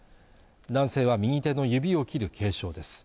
男性は右手の指を切る軽傷です